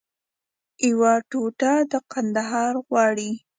یوه ټوټه د کندهار غواړي